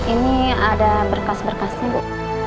ini ada berkas berkasnya bu